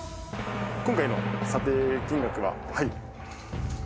「今回の査定金額は」